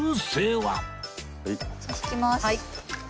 はい。